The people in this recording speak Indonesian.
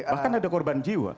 bahkan ada korban jiwa